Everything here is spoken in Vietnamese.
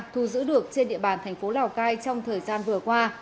thu giữ được trên địa bàn thành phố lào cai trong thời gian vừa qua